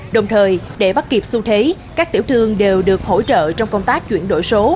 đồng thời để bắt kịp xu thế các tiểu thương đều được hỗ trợ trong công tác chuyển đổi số